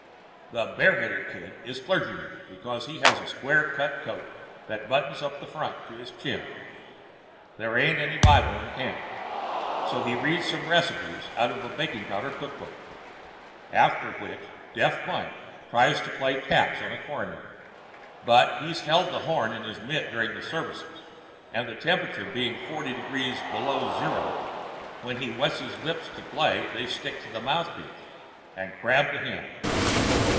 The 'Bare headed' Kid is clergyman because he has a square cut coat that buttons up the front to his chin. There ain't any Bible in camp, so he read some recipes out of a baking powder cook book, after which Deaf Mike tries to play 'Taps' on the cornet. But he's held the horn in his mit during the services, and, the temperature being forty degrees below freezo, when he wets his lips to play they stick to the mouthpiece and crab the hymn.